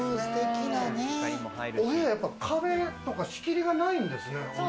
お部屋、壁とか仕切りがないんですね。